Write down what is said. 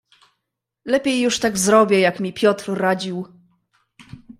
"Lepiej już tak zrobię, jak mi Piotr radził."